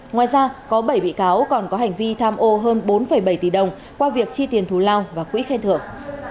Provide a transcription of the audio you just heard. ngoài ra có bảy bị cáo còn có hành vi tham ô hơn bốn bảy tỷ đồng qua việc chi tiền thù lao và quỹ khen thưởng